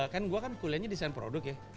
kan gue kan kuliahnya desain produk ya